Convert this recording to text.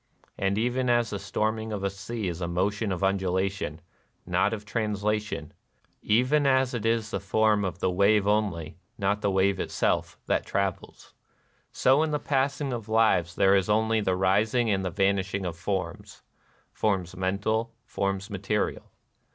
And even as the storming of a sea is a motion of undulation, not of translation, — even as it is the form of the wave only, not the wave itself, that travels, — so in the pass ing of lives there is only the rising and the 222 NIRVANA vanishing of forms, — forms mental, forms material.